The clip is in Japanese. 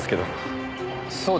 そうですか。